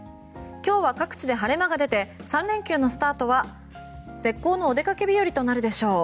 今日は各地で晴れ間が出て３連休のスタートは絶好のお出かけ日和となるでしょう。